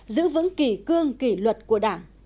giữ vững kỷ cương kỷ luật của đảng